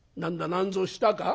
何ぞしたか？」。